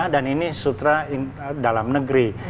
dan ini sutra dalam negeri